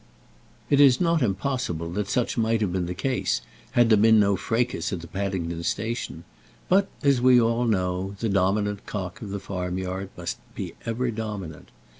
It is not impossible that such might have been the case had there been no fracas at the Paddington station; but, as we all know, the dominant cock of the farmyard must be ever dominant.